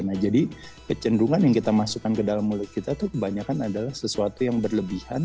nah jadi kecenderungan yang kita masukkan ke dalam mulut kita tuh kebanyakan adalah sesuatu yang berlebihan